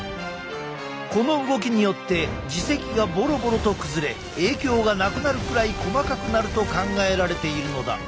この動きによって耳石がボロボロと崩れ影響がなくなるくらい細かくなると考えられているのだ。